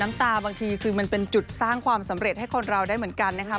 ตาบางทีคือมันเป็นจุดสร้างความสำเร็จให้คนเราได้เหมือนกันนะคะ